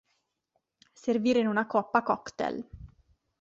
Servire in una coppa cocktail.